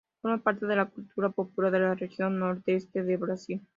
Forma parte de la cultura popular de la Región Nordeste de Brasil.